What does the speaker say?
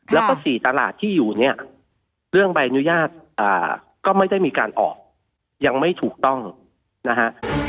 แล้วก็๔ตลาดที่อยู่เนี่ยเรื่องใบอนุญาตก็ไม่ได้มีการออกยังไม่ถูกต้องนะฮะ